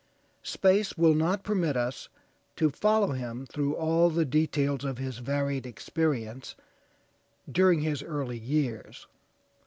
Space will not permit us to follow him through all the details of his varied experience during his early years.